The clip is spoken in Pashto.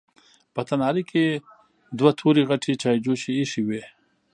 په تناره کې دوه تورې غټې چايجوشې ايښې وې.